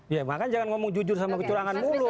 ya makanya jangan ngomong jujur sama kecurangan mulu